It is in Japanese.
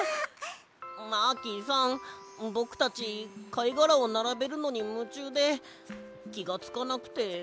マーキーさんぼくたちかいがらをならべるのにむちゅうできがつかなくて。